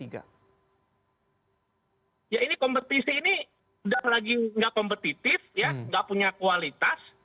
ya ini kompetisi ini sudah lagi nggak kompetitif ya nggak punya kualitas